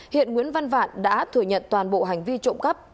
hiện nguyễn văn vạn đã thừa nhận toàn bộ hành vi trộm cắp